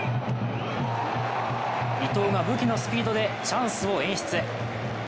伊東が武器のスピードでチャンスを演出。